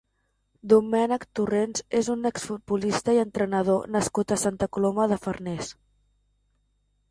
Domènec Torrent és un exfutbolista i entrenador nascut a Santa Coloma de Farners.